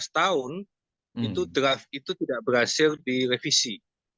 lima belas tahun itu draft itu tidak berhasil direvisi